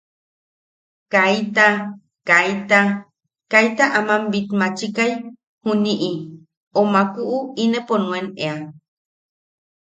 Kaita, kaita, kaita aman bitmachikai, juniʼi, o maku o inepo nuen ea.